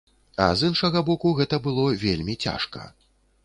А з іншага боку, гэта было вельмі цяжка.